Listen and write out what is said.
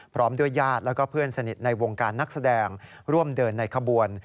พร้อมด้วยญาติแล้วก็เพื่อนสนิทในวงการนักแสดงร่วมเดินในขบวน